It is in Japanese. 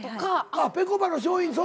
あっぺこぱの松陰寺。